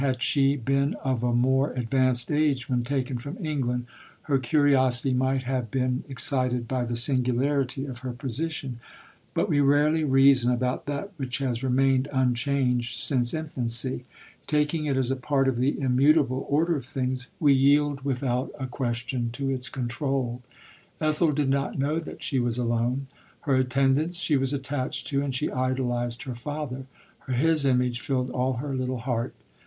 Had she been of a more advanced age when taken from England, her curiosity might have been excited by the singularity of her position ; but we rarely reason about that which has remained unchanged since infancy ; taking it as a part of the immutable order of things, we yield with LODORE. 37 out a question to its controul. Ethel did not know that she was alone. Her attendants she was attached to, and she idolized her father ; his image filled all her little heart.